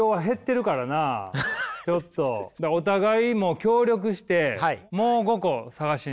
お互い協力してもう５個探しに行く。